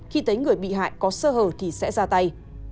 khi thấy người bị hại có sơ hở thì sẽ ra tay